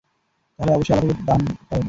তাহলে অবশ্যই আল্লাহ তাকে তা দান করেন।